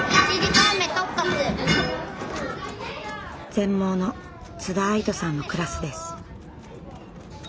全盲の津田愛土さんのクラスです。